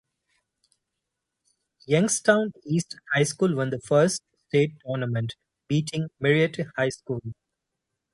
Youngstown East High School won the first state tournament, beating Marietta High School.